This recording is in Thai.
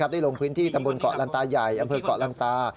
ได้ลงพื้นที่ตำบลเกาะลันตาใหญ่อำเภอกเกาะลันตา